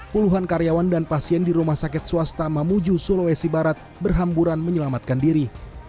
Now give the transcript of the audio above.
puluhan karyawan dan pasien di rumah sakit swasta mamuju sulawesi barat berhamburan menyelamatkan diri